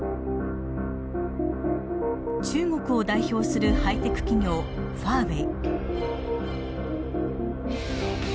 中国を代表するハイテク企業ファーウェイ。